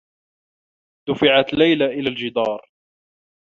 دُفعت ليلى إلى الجدار.